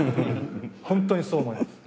ホントにそう思います。